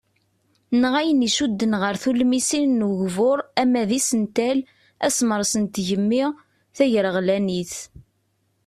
Neɣ ayen iccuden ɣer tulmisin n ugbur ama d isental, asemres n tgemmi ,tagreɣlanit.